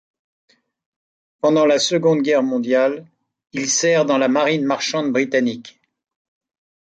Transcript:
Pendant la Seconde Guerre mondiale, il sert dans la marine marchande britannique.